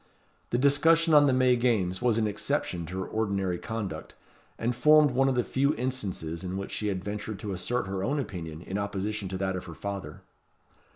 The discussion on the May Games was an exception to her ordinary conduct, and formed one of the few instances in which she had ventured to assert her own opinion in opposition to that of her father.